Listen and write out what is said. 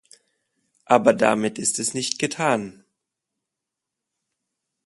Aber damit ist es nicht getan.